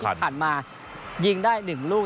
ที่ผ่านมายิงได้๑ลูก